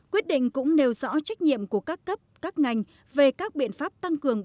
quyết định cũng nêu rõ trách nhiệm của các cấp các ngành về các biện pháp tăng cường